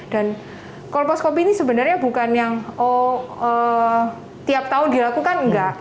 dan kolposcopy ini sebenarnya bukan yang oh tiap tahun dilakukan nggak